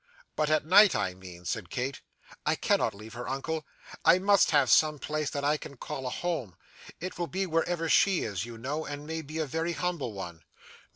'But at night, I mean,' said Kate; 'I cannot leave her, uncle. I must have some place that I can call a home; it will be wherever she is, you know, and may be a very humble one.